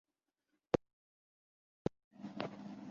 حکومت کمزور ہے۔